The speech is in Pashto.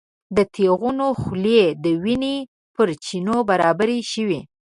د تیغونو خولې د وینو پر چینو برابرې شوې.